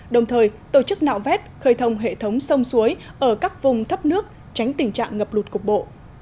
đồng thời tổ chức nạo vét khơi thông hệ thống sông suối ở các vùng thấp nước tránh tình trạng ngập lụt cục bộ